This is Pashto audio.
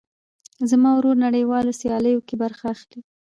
زما ورور نړيوالو سیاليو کې برخه اخلي.